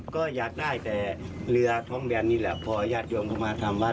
ก็อยากได้แต่เรือท้องแบนนี่แหละพอญาติโยมเข้ามาทำวัด